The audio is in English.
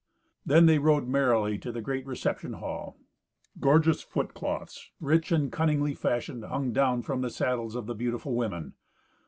Then they rode merrily to the great reception hall. Gorgeous footcloths, rich and cunningly fashioned, hung down from the saddles of the beautiful women.